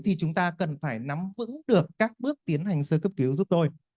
thì chúng ta cần phải nắm vững được các bước tiến hành sơ cấp cứu giúp tôi